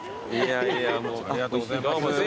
ありがとうございます。